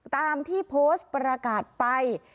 ตามที่โพสต์ประกาศไป